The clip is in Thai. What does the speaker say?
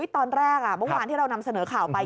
ตอนแรกเมื่อวานที่เรานำเสนอข่าวไป